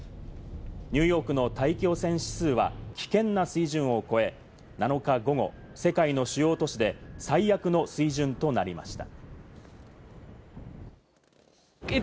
ニューヨークの大気汚染指数は危険な水準を超え、７日午後、世界の主要都市で最悪の水準となりました。